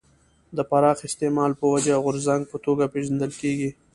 د پراخ استعمال په وجه غورځنګ په توګه پېژندل کېږي.